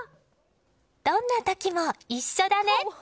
どんな時も一緒だね。